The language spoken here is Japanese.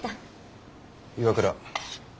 岩倉。